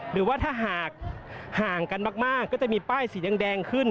หรือว่าถ้าหากห่างกันมากก็จะมีป้ายสีแดงขึ้น